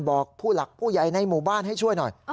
บอกผู้หลักผู้ใหญ่ในหมู่บ้านให้ช่วยหน่อย